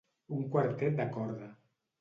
Un quartet de corda.